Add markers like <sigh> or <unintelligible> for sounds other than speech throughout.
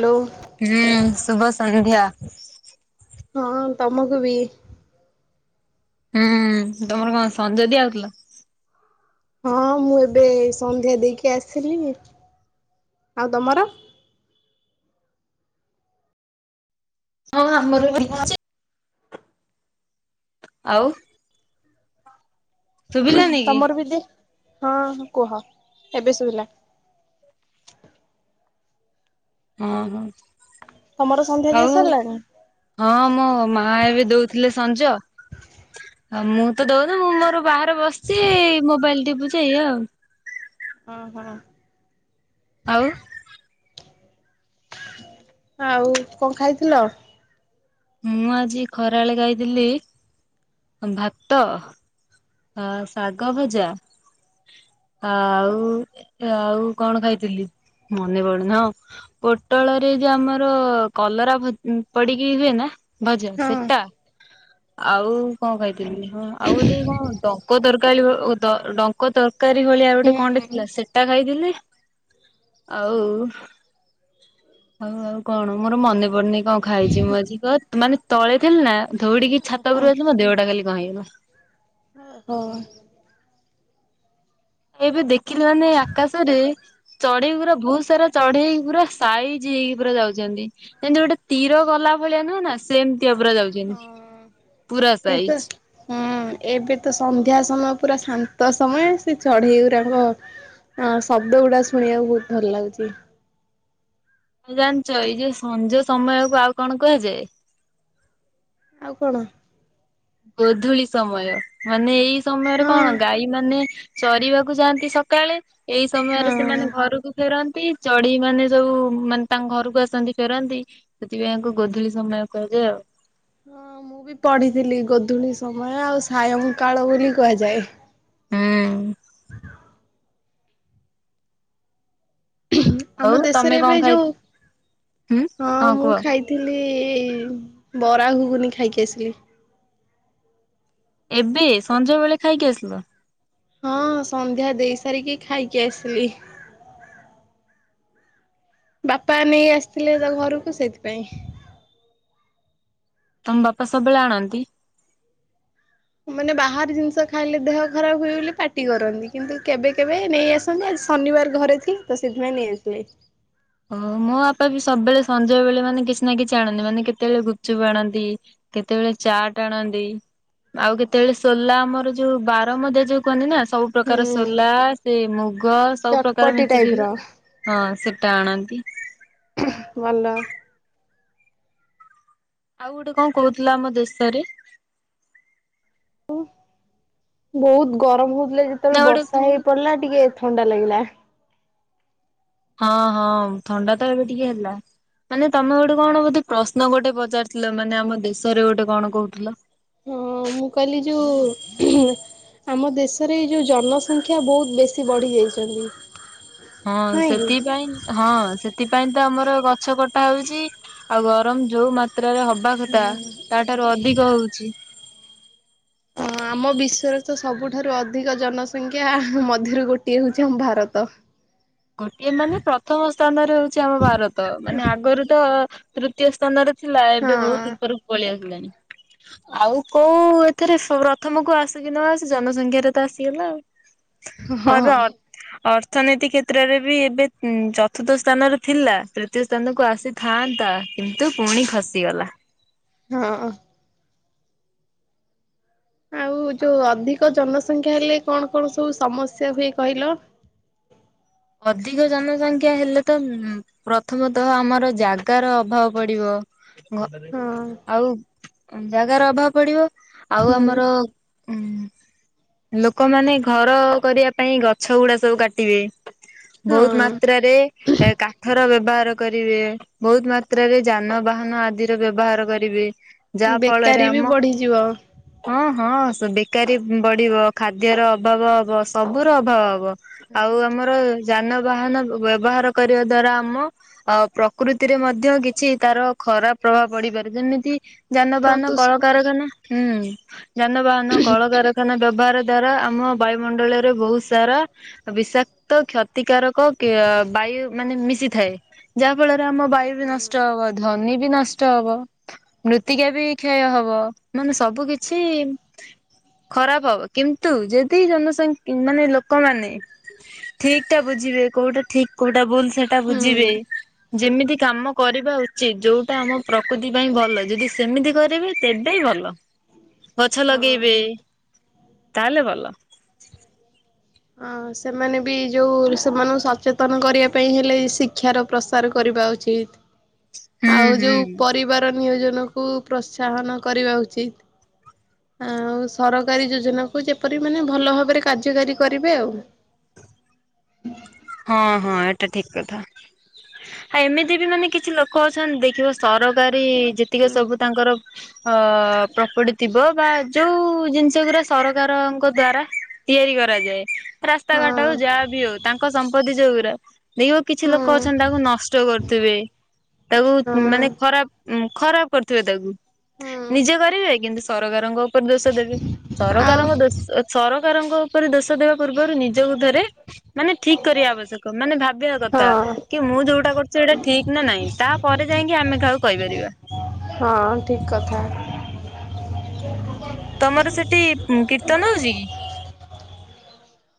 Hello. ହୁଁ ଶୁଭ ସନ୍ଧ୍ୟା। ହଁ ତମକୁ ବି। ହୁଁ ତମର କଣ ସଞ୍ଜ ଦି ଆଉଥିଲ? ହଁ ମୁଁ ଏବେ ସନ୍ଧ୍ୟା ଦେଇକି ଆସିଲି। ଆଉ ତମର? ହଁ ଆମର ଆଉ। ଶୁଭିଲାନି କି ତମର ବଦି ହଁ କୁହ ଏବେ ଶୁଭିଲା। ହଁ ହଁ। ତମର ସନ୍ଧ୍ୟା ଆଉ ଦେଇ ସାରିଲାଣି? ହଁ ମୋ ମା ଏବେ ଦଉଥିଲେ ସଞ୍ଜ ହଉ ମୁଁ ତ ଦଉନି ମୁଁ ମୋର ବାହାରେ ବସିଛି ମୋବାଇଲ ଟିପୁଛି ଏୟା ଓ ହୋ। ଆଉ ଆଉ କଣ ଖାଇଥିଲ? ମୁଁ ଆଜି ଖରାବେଳେ ଖାଇଥିଲି ଭାତ ହଁ ଶାଗ ଭଜା ଆଉ ଆଉ କଣ ଖାଇଥିଲି? ମନେ ପଡୁନି ହଁ ପୋଟଳରେ ଯୋଉ ଆମର କଲରା ଭ ପଡିକି ହୁଏ ନା ଭଜା ହଁ ସେଟା ଆଉ କଣ କହିଥିଲି ହଁ ଆଉ ଗୋଟେ କଣ ଡଙ୍କ ତରକାରୀ ଡଙ୍କ ତରକାରୀ ଭଳି ଆଉ ଗୋଟେ କଣଟେ ହୁଁ। ଥିଲା ସେଟା ଖାଇଥିଲି <inaudible> ଆଉ ଆଉ ଆଉ କଣ ମୋର ମନେ ପଡୁନି କଣ ଖାଇଛି ମଝିକ ମାନେ ତଳେ ଥିଲି ନା ଧଉଡିକି ଛାତ ଉପରୁ ଯାଇଥିଲା ମୋ ଦେଉଟା ଖାଲି କ କହି ହେଇଗଲା। ହଁ। ଏବେ ଦେଖିଲେ ମାନେ ଆକାଶରେ ଚଢେଇ ପୁରା ବହୁତ ସାରା ଚଢେଇ ପୁରା ସାଇଜି ଇକି ପୁରା ଯାଉଛନ୍ତି ଯେମତି ଗୋଟେ ତୀର ଗଲା ଭଳିଆ ନୁହଁ ନା ସେମି ତିଆ ପୁରା ହଁ ଯାଉଛନ୍ତି ପୁରା ଏତ ସାଇଜ ହୁଁ ଏବେ ତ ସନ୍ଧ୍ୟା ସମୟ ପୁରା ଶାନ୍ତ ସମୟ ସେ ଚଢେଇ ଗୁରାକ ହଁ ଶବ୍ଦ ଗୁଡା ଶୁଣିବାକୁ ବହୁତ ଭଲ ଲାଗୁଛି। ହ ଜାଣିଛ ଏଇ ଯୋଉ ସଞ୍ଜ ସମୟକୁ ଆଉ କଣ କୁହାଯାଏ? ଆଉ କଣ? ଗୋଧୂଳି ସମୟ ମାନେ ଏଇ ସମୟରେ ହଁ କଣ ଗାଈ ମାନେ ଚରିବାକୁ ଯାଆନ୍ତି ସକାଳେ ଏଇ ସମୟରେ ସେମାନେ ହଁ। ଘରକୁ ଫେରନ୍ତି। ଚଢେଇ ମାନେ ସବୁ ମାନେ ତାଙ୍କ ଘରକୁ ଆସନ୍ତି ଫେରନ୍ତି ସେଥିପାଇଁଙ୍କୁ ଗୋଧୂଳି ସମୟ କୁହାଯାଏ ଆଉ ହଁ ମୁଁ ବି ପଢିଥିଲି ଗୋଧୂଳି ସମୟ ଆଉ ସାୟଂ କାଳ ବୋଲି କୁହାଯାଏ। ଆଉ ଆମ ଦେଶରେ ତମେ କଣ ଏବେ ଖାଇ ଯୋଉ ହୁଁ ହଁ ମୁଁ କୁହ ଖାଇଥିଲି ଏଇ ବରା ଘୁଗୁନି ଖାଇକି ଆସିଲି। ଏବେ ସଞ୍ଜ ବେଳେ ଖାଇକି ଆସିଲ। ହଁ ସନ୍ଧ୍ୟା ଦେଇ ସାରିକି ଖାଇକି ଆସିଲି। ବାପା ନେଇ ଆସିଥିଲେ ତା ଘରକୁ ସେଇଥିପାଇଁ ତମ ବାପା ସବୁବେଳେ ଆଣନ୍ତି। ମାନେ ବାହାର ଜିନିଷ ଖାଇଲେ ଦେହ ଖରାପ ହୁଏ ବୋଲି ପାଟି କରନ୍ତି କିନ୍ତୁ କେବେ କେବେ ନେଇ ଆସନ୍ତି ଆ ଶନିବାର ଘରେ ତ ସେଇଥିପାଇଁ ନେଇ ଆସିବେ। ଓ ମୋ ବାପା ବି ସବୁବେଳେ ସଞ୍ ବେଳେ ମାନେ କିଛି ନା କିଛି ଆଣନ୍ତି ମାନେ କେତେବେଳେ ଗୁପଚୁପ ଆଣନ୍ତି। କେତେବେଳେ ଚାଟ୍ ଆାଣନ୍ତି। ଆଉ କେତେବେଳେ ସୋଲା ଆମର ଯୋଉ ବାର ମଧ୍ୟ ଯୋଉ କହନି ନା ସବୁ ପ୍ରକାର ହୁଁ। ସୋଲା ସେ ମୁଗ ସବୁ ପ୍ରକାର ଚଟପଟି ଟାଇପ ମିଶିକି ର ହୁଏ ହଁ ସେ ଟାଣନ୍ତି। ଭଲ ଆଉ ଗୋଟେ କଣ କହୁଥିଲା ଆମ ଦେଶରେ ବହୁତ ଗରମ ହଉଥିଲା ନା ଯେତେବେଳେ ଗୋଟେ ବର୍ଷା ହେଇ ପଡିଲା ଟିକେ ଥଣ୍ଡା ଲାଗିଲା। ହଁ ହଁ ଥଣ୍ଡା ତ ଏବେ ଟିକେ ହେଲା। ମାନେ ତମେ ଗୋଟେ କଣ ବୋଧେ ପ୍ରଶ୍ନ ଗୋଟେ ପଚାରିଥିଲ ମାନେ ଆମ ଦେଶରେ ଗୋଟେ କଣ କହୁଥିଲ? ହଁ ମୁଁ କହିଲି ଯୋଉ ଆମ ଦେଶରେ ଏଇ ଯୋଉ ଜନସଂଖ୍ୟା ବହୁତ ବେଶୀ ବଢି ଯାଇ ଛନ୍ତି। ହଁ ସେଥିପାଇଁ ହଁ ସେଥି ସେଥି ପାଇଁ ତ ଆମର ଗଛ କଟା ହଉଛି ଆଉ ଗରମ ଯୋଉ ଯାତ୍ରାରେ ହବା କଥା ତା ଠାରୁ ଅଧିକ ହଉଛି। ହଁ। ଆମ ବିଶ୍ଵରେ ତ ସବୁଠାରୁ ଅଧିକ ଜନସଂଖ୍ୟା ମଧ୍ୟରୁ ଗୋଟିଏ ହଉଛି ଆମ ଭାରତ। ଗୋଟିଏ ମାନେ ପ୍ରଥମ ସ୍ଥାନରେ ହଉଛି ଆମ ଭାରତ ମାନେ ଆଗରୁ ତ। ତୃତୀୟ ସ୍ଥାନରେ ଥିଲା ଏବେ ହଁ ବହୁତ ଉପରକୁ ପଳେଇ ଆସିଲାଣି। <unintelligible> ଆଉ କୋଉ ଏଥିରେ ସ ପ୍ରଥମ କୁ ଆସୁ କି ନ ଆସୁ ଜନସଂଖ୍ୟାରେ ତ ଆସିଗଲା ଆଉ। ହଁ ର ଅର ଅର୍ଥନୀତି କେ ତ୍ରରେ ବି ଏବେ ଉଁ ଚତୁର୍ଥ ସ୍ଥାନରେ ଥିଲା ତୃତୀୟ ସ୍ଥାନକୁ ଆସିଥାନ୍ତା କିନ୍ତୁ ପୁଣି ଖସିଗଲା। ହଁ। ଆଉ ଯୋଉ ଅଧିକ ଜନ ସଂଖ୍ୟା ହେଲେ କଣ କଣ ସବୁ ସମସ୍ୟା ହୁଏ କହିଲ। ଅଧିକ ଜନସଂଖ୍ୟା ହେଲେ ତ ଉଁ ପ୍ରଥମତଃ ଆମର ଜାଗାର ଅଭାବ ପଡିବ। ହଁ ଆଉ ଉଁ ଜାଗାର ଅଭାବ ପଡିବ ଆଉ ହୁଁ ଆମର। ଉଁ ଲୋକମାନେ ଘର କରିବା ପାଇଁ ଗଛ ଗୁଡା ସବୁ କାଟିବେ। ବହୁତ ହଁ ମାତ୍ରାରେ ଏ କାଠର ବ ବ୍ୟବହାର କରିବେ ବହୁତ ମାତ୍ରାରେ ଯାନବାହାନ ଆଦିର ବ୍ୟବହାର କରିବେ। ଯାହା ଫଳରେ ବେକାରୀ ବି ଆମ ବଢିଯିବ। ହଁ। ହଁ ସ ବେକାରୀ ବଢିବ ଖାଦ୍ୟର ଅଭାବ ହବ ସବୁର ଅଭାବ ହବ। ଆଉ ଆମର। ଯାନବାହାନ ବ ବ୍ୟବହାର କରିବା ଦ୍ଵାରା ଆମ ଅ ପ୍ରକୃତିରେ ମଧ୍ୟ କିଛି ତାର। ଖରାପ ପ୍ରଭାବ ପଡିପାରେ ଯେମିତି। ଯାନବାହାନ ପ୍ରଦୂଷଣ କଳକାରଖାନା ହୁଁ ଯାନବାହାନ କଳକାରଖାନା ବ୍ୟବହାର। ଦ୍ଵାରା ଆମ ବାୟୁମଣ୍ଡଳରେ ବହୁତ ସାରା ବିଷାକ୍ତ କ୍ଷ କ୍ଷତିକାରକ କ ବାୟୁ ମାନେ ମିଶିଥାଏ। ଯାହା ଫଳରେ ଆମ ବାୟୁ ବି ନଷ୍ଟ ହବ ଧ୍ୱନି ବି ନଷ୍ଟ ହବ ମୃତ୍ତିକା ବି କ୍ଷୟ ହ ବ ମାନେ ସବୁ କିଛି। ଖରାପ ହବ କିନ୍ତୁ ଯଦି ଜନସଂଖ କି ମାନେ ଲୋକମାନେ ଠିକ। ଟା ବୁଝିବେ କୋଉଟା ଠିକ କୋଉଟା ଭୁଲ ସେଟା ହୁଁ ବୁଝିବେ। ଯେମିତି କାମ କରିବା ଉଚିତ ଯୋଉଟା ଆମ ପ୍ରକୃତି ପାଇଁ ଭଲ ଯଦି ସେମିତି କରିବେ ତେବେ ଭଲ। ହୁଁ ଗଛ ଲଗେଇବେ ତାହେଲେ ଭଲ। ହଁ ସେମାନେ ବି ଯୋଉ ସେମାନଙ୍କୁ ସଚେତନ କରିବା ପାଇଁ ହେଲେ ଶିକ୍ଷାର ପ୍ରସାର କରି ବା ଉଚିତ ହୁଁ ଆଉ ଯୋଉ ହୁଁ ପରିବାର ନିୟୋଜ ନ କୁ ପ୍ରୋତ୍ସାହନ କରିବା ଉଚିତ। ଆଉ ସରକାରୀ ଯୋଜନା କୁ ଯେପରି ମାନେ ଭଲ ଭାବରେ କାର୍ଯ୍ୟକାରୀ। କରିବେ ଆଉ। ହଁ ହଁ ଏଟା ଠିକ କଥା। ଆ ଏମିତି ବି ମାନେ କିଛି ଲୋକ ଅଛନ୍ତି ଦେଖିବ ସରକାରୀ ଯେତିକ ହୁଁ ସବୁ ତାଙ୍କର। ଅ ପ୍ରପର୍ଟି ଥିବ ବା ଯୋଉ ଜିନିଷ ଗୁରା ସରକାରଙ୍କ ଦ୍ଵାରା। ତିଆରି କରାଯାଏ ରାସ୍ତା ଘାଟ ହଉ ହଁ ଯାହା ବିି ହଉ ତା ଧି ଯଉ ଗୁରା। ଦେଖିବ କିଛି ଲୋକ ଅଛନ୍ତି ହୁଁ ତାକୁ ନଷ୍ଟ କରୁଥିବେ ତାକୁ ହଁ ମାନେ ଖରାପ ଉଁ। ଖରାପ କରୁଥିବେ ତାକୁ ନିଜେ ହୁଁ କରିବେ କିନ୍ତୁ ସରକାରଙ୍କ। ଉପରେ ଦୋଷ ଦେବେ ଆଉ ସରକାରଙ୍କ ଦୋଷ ସର କାରଙ୍କ ଉପରେ ଦୋଷ ଦେବା ପୂର୍ବରୁ ନିଜକୁ ଧରେ ମାନ ଠିକ କରିବା ଆବଶ୍ୟକ ମାନେ ଭାବିବା କଥା ହଁ କି ମୁଁ ଯୋଉଟା କରୁଛି ସେଇଟା ଠିକ ନା ନାଇଁ ତା ପରେ ଯାଇକି ଆମେ କାହାକୁ କହିପାରିବା। ହଁ ଠିକ କଥା। ତମର ସେଠି ଉଁ କୀର୍ତ୍ତନ ହଉଛି କି।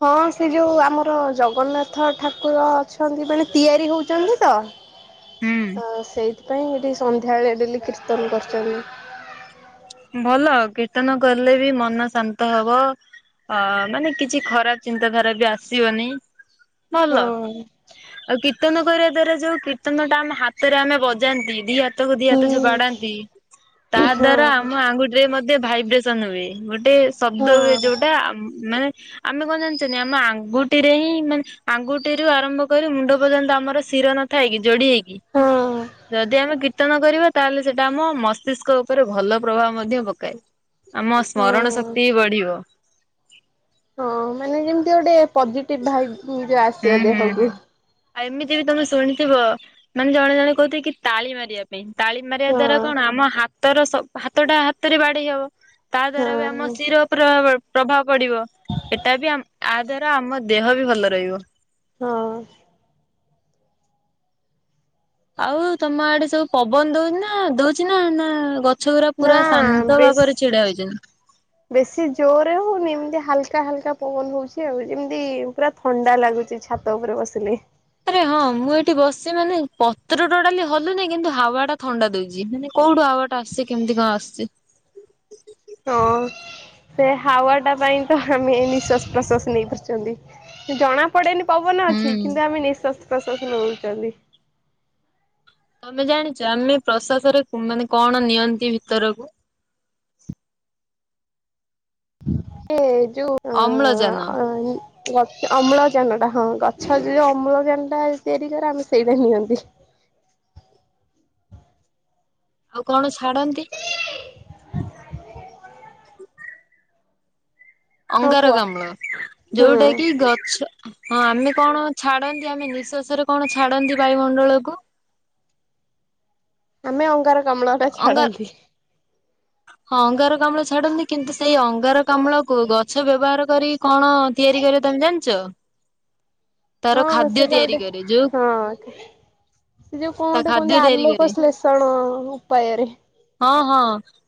ହଁ ସେ ଯୋଉ ଆମର ଜଗନ୍ନାଥ ଠାକୁର ଅଛନ୍ତି ମାନେ ତିଆରି ହଉଛନ୍ତି ତ। ହୁଁ ଆ ସେଇଥିପାଇଁ ଏଠି ସନ୍ଧ୍ୟାବେଳେ ଡେଲି କୀର୍ତ୍ତନ କରିଛନ୍ତି। ଭଲ କୀର୍ତ୍ତନ କଲେ ବି ମନ ଶାନ୍ତ ହବ। ଆ ମାନେ କିଛି ଖରାପ ଚିନ୍ତାଧାରା ବି ଆସିବନି। ଭଲ ହଁ ଆଉ କୀର୍ତ୍ତନ କରିବା ଦ୍ୱାରା ଯୋଉ କୀର୍ତ୍ତନ ଟା ଆମ ହାତରେ ଆମେ ବଜାନ୍ତି ଦି ହାତ ହାତକୁ ଦି ହାତ ହୁଁ ଯୋଉ ବାଡାନ୍ତି ତାହା ଦ୍ଵାରା ହଁ ଆମ ଆଙ୍ଗୁଠିରେ ମଧ୍ୟ ଭାଇବ୍ରେସନ ହୁଏ ଗୋ ଗୋଟେ ଶବ୍ଦ ହୁଏ ହଁ ଯୋଉଟା ମାନେ ଆମେ କଣ ଜାଣିଛ ଆମ ଆଙ୍ଗୁଠିରେ ହିଁ ମାନେ ଆଙ୍ଗୁଠିରୁ ଆରମ୍ଭ କରି ମୁଣ୍ଡ ପର୍ଯ୍ୟନ୍ତ ଆମର ସି ଶୀର ନଥାଏ କି ଯୋଡି ହେଇକି ହଁ ଯଦି ଆମେ କୀର୍ତ୍ତନ କରିବା ତାହେଲେ ସେଇଟା ଆମ ମସ୍ତିଷ୍କ ଉପରେ ଭଲ ପ୍ରଭାବ ମଧ୍ୟ ପକାଏ ଆମ ସ୍ମରଣ ହଁ ଶକ୍ତି ବଢିବ ହଁ ମାନେ ଯେମିତି ଗୋଟେ ପଜିଟିଭ ଭା ମୁଁ ଯୋଉ ହୁଁ ଆସିବ ଦେହକୁ। ଥିବ ମାନେ ଜଣେ ଜଣେ କହୁଥିଲେ କି ତାଳି ମାରିବା ପାଇଁ ତାଳି ମାରିବା ହଁ ଦ୍ଵାରା କଣ ଆମ ହାତ ହାତର ସ ହାତଟା ହାତରେ ବାଢେଇ ହବ ତା ଦ୍ଵାରା ବି ଆମ ହଁ ଶୀର ପ୍ର ପ୍ରଭାବ ପଡିବ ଏଟା ବି ଆ ଦ୍ଵାରା ଆମ ଦେହ ବି ଭଲ ରହିବ। ହଁ। ଆଉ ତମ ଆଡେ ସବୁ ପବନ ଦଉ ନା ଦଉଛି ନା ନା ଗ ନା ବେଶ ହୋଇଛନ୍ତି। ବେଶି ଜୋରରେ ହଉନି ଏମିତି ହା ହାଲକା ହାଲକା ପବନ ହଉଛି ଆଉ ଯେମିତି ପୁରା ଥଣ୍ଡା ଲାଗୁଛି ଛାତ ଉପରେ ବସିଲେ ଆରେ ହଁ ମୁଁ ଏଠି ବସି ମାନେ ପତ୍ର ଟୋଟାଲି ହଲୁନି ନାହିଁ କିନ୍ତୁ ହାୱା ଟା ଥଣ୍ଡା ଦଉଛି ମାନେ କୋଉଠୁ ୱାଆଟା ଆସିଛି କେମିତି କଣ ଆସୁଛି? ହଁ। ସେ ହାୱା ଟା ପାଇଁ ତ ଆମେ ନିଶ୍ୱାସ ପ୍ରଶ୍ୱାସ ନେଇ ପାରୁଛନ୍ତି ଜଣା ପଡେଇନି ପବନ ଅଛି ହୁଁ। କିନ୍ତୁ ଆମେ ନିଶ୍ୱାସ ପ୍ରଶ୍ୱାସ ନଉଛନ୍ତି। ଆମେ ଜାଣିଛ ଆମେ ପ୍ରଶ୍ୱାସରେ ମାନେ କଣ ନିଅନ୍ତି ଭିତରକୁ। ଏ ଯୋଉ ଅମ୍ଳଜାନ। ଅଁ ଅମ୍ଳଜାନ ଟା ହଁ ଗଛ ଯଦି ଅମ୍ଳଜାନ ଟା ତିଆରି କରେ ଆମେ ସେଇଟା ନିଅନ୍ତି। ହଁ। ଆଉ କଣ ଛାଡନ୍ତି? ହଁ କୁହ ଅଙ୍ଗାରକାଆ ମ୍ଳ ହୁଁ ଯୋଉଟା କି ଗଛ ହଁ ଆମେ କଣ ଛାଡନ୍ତି ଆମେ ନିଃଶ୍ଵାସ ରେ କଣ ଛାଡନ୍ତି ବାୟୁମଣ୍ଡଳକୁ? ଆମେ ଅଙ୍ଗାରକ୍ଲା ଅଙ୍ଗା ଛାଡନ୍ତି ହଁ ଅଙ୍ଗାର କାମ୍ଳ ଛାଡନ୍ତି କିନ୍ତୁ ସେଇ ଅଙ୍ଗାର କାମ୍ଳକୁ ଗଛ ବ୍ୟବହାର କରି କଣ ତିଆରି କରିବା ତମେ ଜାଣିଛ ତାର ହଁ ହ ଖାଦ୍ୟ ତିଆରି ସେଟେ କରେ ଯୋଉ ହଁ। ସେ ଯୋଉ ତା କଣଟେ ଖାଦ୍ୟ କୁହନ୍ତି ତିଆରି କରେ। ଆଲୋକ ଶ୍ଳେଷଣ ଉପାୟରେ ହଁ ହଁ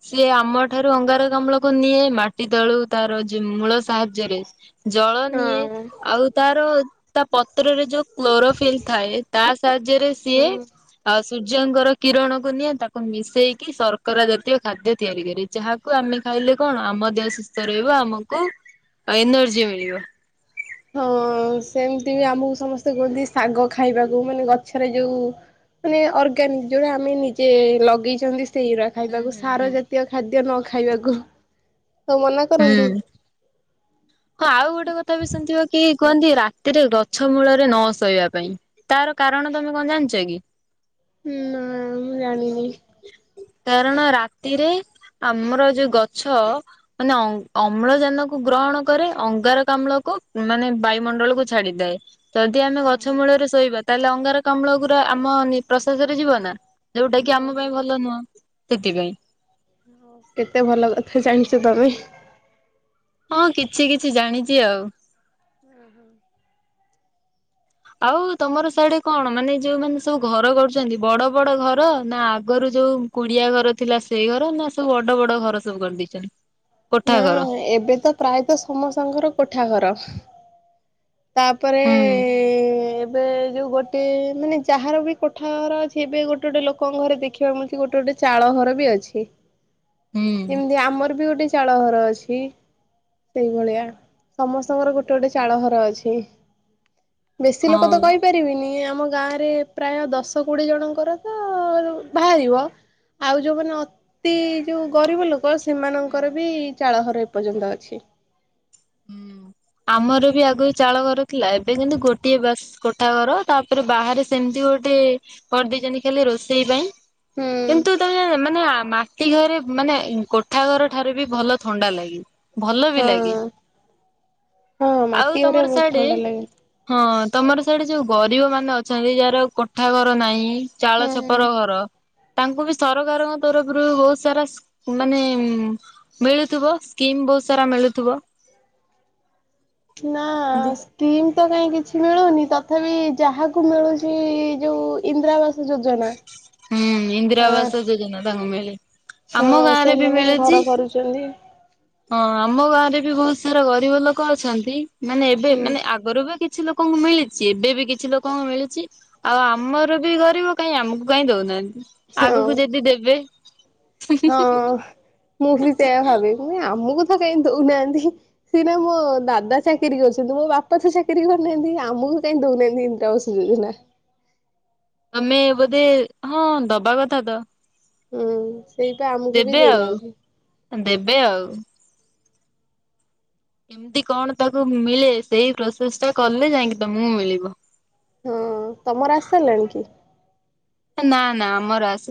ସିଏ ଆମଠାରୁ ଅଙ୍ଗାରକାମ୍ଳକୁ ନିଏ ମାଟି ତଳୁ ତାର ଯେ ମୂଳ ସାହାଯ୍ୟରେ ଜଳ ନିଏ ହଁ ଆଉ ତାର ତା ପତ୍ରରେ ଯୋଉ କ୍ଲୋରୋଫିଲ୍ ଥାଏ ତା ସାହାଯ୍ୟରେ ସିଏ ହୁଁ। ଆ ସୂର୍ଯ୍ୟଙ୍କର କିରଣକୁ ନିଏ ତାକୁ ମିଶେଇକି ଶର୍କରା ଜାତୀୟ ଖାଦ୍ୟ ତିଆରି କରେ ଯାହାକୁ ଆମେ ଖାଇଲେ କଣ ଆମ ଦେହ ସୁସ୍ଥ ରହିବ। ଆମକୁ ଏନର୍ଜି ମିଳିବ। ହଁ ହଁ ସେମିତି ବି ଆମକୁ ସମସ୍ତେ କୁହନ୍ତି ଶାଗ ଖାଇବାକୁ ମାନେ ଗଛରେ ଯୋଉ ମାନେ ଅର୍ଗାନିକ ଯୋଉଟା ଆମେ ନିଜେ ଲଗେଇଛନ୍ତି। ସେଇୁର ହୁଁ ଖାଇବାକୁ ହୁଁ ହୁଁ। ସାର ଜାତୀୟ ଖାଦ୍ୟ ନ ଖାଇବାକୁ ହଉ ମନା ହୁଁ କରନ୍ତି। ହଁ ଆଉ ଗୋଟେ କଥା ବି ଶୁଣିଥିବ କି କୁହନ୍ତି ରାତିରେ ଗଛ ମୂଳରେ ନ ଶୋଇବା ପାଇଁ ତାର କାରଣ ତମେ କଣ ଜାଣିଛ କି? ହୁଁ ନା ମୁଁ ଜାଣିନି। କାରଣ ରାତିରେ ଆମର ଯୋଉ ଗଛ ମାନେ ଅମ୍ଳଜାନ କୁ ଗ୍ରହଣ କରେ ଅଙ୍ଗାର କମ୍ଳକୁ ମାନେ ବାୟୁମଣ୍ଡଳକୁୁ ଛାଡିଦଏ ଯଦି ଆମେ ହଁ ଗଛ ହଁ ମୂଳରେ ଶୋଇବା ତାହେଲେ ଅଙ୍ଗାର କମ୍ଳ ଗୁରା ଆମ ପ୍ରସାସରେ ଯିବ ନା ଯୋଉଟା କି ଓହୋ ଆମ ପାଇଁ ଭଲ ନୁହଁ ସେଥିପାଇଁ। ହ କେତେ ଭଲ କଥା ଜାଣିଛ ତମେ ହଁ କିଛି କିଛି ଜାଣିଛି ଆଉ। ହୁଁ ହୁଁ। ଆଉ ତମର ଶାଡେ କଣ ମାନେ ଯୋଉ ମାନେ ସବୁ ଘର କରୁଛନ୍ତି, ବଡ ବଡ ଘର ନା ଆଗରୁ ଯୋଉ କୁଡିଆ ଘର ଥିଲା ସେଇ ଘର ନା ସବୁ ବଡ ବଡ ଘର ସବୁ କରିଦେଇଛନ୍ତି। କୋଠା ନା ଘର। ଏବେ ତ ପ୍ରାୟତଃ ସମସ୍ତଙ୍କର କୋଠା ଘର ତାପରେ ହୁଁ ଏବେ ଯୋଉ ଗୋଟେ ମାନେ ଯାହାର ବି କୋଠାର ଅଛି, ଏବେ ଗୋଟେ ଗୋଟେ ଲୋକଙ୍କ ଘରେ ଦେଖିବାକୁ ମିଳୁଛି ଗୋଟେ ଗୋଟେ ଚାଳ ଘର ବି ଅଛି ହୁଁ ଯେମିତି ଆମର ବି ଗୋଟେ ଚାଳ ଘର ଅଛି ସେଇଭଳିଆ ସମସ୍ତଙ୍କର ଗୋଟେ ଗୋଟେ ଚାଳ ଘର ଅଛି। ବେଶୀ ଲୋକ ତ ହଁ। କହିପାରିବିନି ଆ ଆମ ଗାଁରେ ପ୍ରାୟ ଦଶ କୋଡିଏ ଜଣଙ୍କର ତ ବାହାରିବ ଆଉ ଯୋଉମାନେ ଅତି ଯୋଉ ଗରିବ ଲୋକ କ ସେମାନଙ୍କର ବି ଚାଳହର ଏପର୍ଯ୍ୟନ୍ତ ଅଛି। ଆମର ବି ଆଗ ଚାଳ ଘର ଥିଲା ଏବେ କିନ୍ତୁ, ଗୋଟିଏ ବାସ କୋଠା ଘର ତାପରେ ବାହାରେ ସେମିତି ଗୋଟେ କରିଦେଇଛନ୍ତି ଖାଲି ରୋଷେଇ ପାଇଁ ହୁଁ କିନ୍ତୁ ତା ମାନେ ମାଟି ଘରେ ମାନେ କୋଠା ଘର ଠାରୁ ବି ଭଲ ଥଣ୍ଡା ଲାଗେ ଭଲ ବି ଲାଗେ ହଁ ହଁ ଆଉ ମାଟି ଘରେ ତମର ବହୁତ ଶାଢୀ ଥଣ୍ଡା ଲାଗେ। ହଁ ତମର ସେଇଠି ଯୋଉ ଗରିବ ମାନେ ଅଛନ୍ତି ଯାହାର କୋଠା ଘର ନାହିଁ ଚାଳ ହୁଁ ଛପର ଘର ତାଙ୍କୁ ବି ସରକାରଙ୍କ ତରଫରୁ ବହୁତ ସାରା ମାନେ ମିଳୁଥିବ ସ୍କିମ୍ ବହୁତ ସାରା ମିଳୁଥିବ? ନା ଏମତି ଅସ୍ତି ତ କାଇହିଁ କିଛି ମିଳୁନି ତଥାପି ଯାହାକୁ ମିଳୁଛି ଯୋଉ ଇନ୍ଦ୍ରାବାସ ହୁଁ ଇନ୍ଦିରା ଆବାସ ଯୋଜନା ତାଙ୍ଗମଳିଳେ ହଁ ସେମାନେ ଘର କରୁଛନ୍ତି। ହଁ ଆମ ଗାଁ ରେ ବି ବହୁତ ସାରା ଗରିବ ଲୋକ ଅଛନ୍ତି, ମାନେ ଏବେ ଉଁ ମାନେ ଆଗରୁ ବି କିଛି କିଛି ଲୋକଙ୍କୁ ମିଳିଛି ଏବେ ବି କିଛି ଲୋକଙ୍କୁ ମିଳିଛି ଆଉ ଆମର ବି ଗରିବ କାହିଁ ଆମକୁ କାହିଁ ଦଉନାହାଁନ୍ତି ହଁ। ଆଗକୁ ଯଦି ଦେବେ ହଁ ମୁଁ ବି ସେୟା ଭାବୁଛି ମୁଁ ଆମକୁ କାଇଁ ଦଉନାହାନ୍ତି ସିନା ମୋ ଦାଦା ଚାକିରି କରୁଛନ୍ତି, ମୋ ବାପା ତ ଚାକିରି କରୁନାହାନ୍ତି ଆମକୁ କୁହ କାଇଁ ଦଉନାହାନ୍ତି ଇନ୍ଦିରା ଆବାସ ଯୋଜନା। ମେ ବୋଧେ ହଁ ଦବା କଥା ତ ହୁଁ ସେଇପା ଆମକୁ ବି ଦେବେ ଆଉ ଦେଇନାହାନ୍ତି। ଦେବେ ଆଉ। କେମିତି କଣ ତାକୁ ମିଳେ ସେଇ ପ୍ରୋସେସ୍ ଟା କଲେ ଯାଇକି ତମକୁ ମିଳିବ। ହଁ ତମର ଆସି ସାରିଲାଣି କି? ନା ନା ଆମର ଆସିନି।